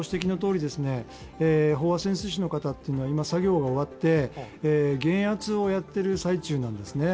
飽和潜水士の方は作業が終わって、減圧をやっている最中なんですね。